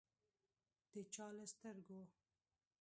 د چا له سترګو